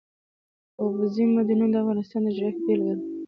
اوبزین معدنونه د افغانستان د جغرافیې بېلګه ده.